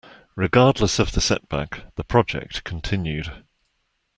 Regardless of the setback, the project continued.